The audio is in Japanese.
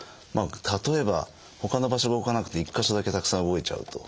例えばほかの場所が動かなくて１か所だけたくさん動いちゃうと。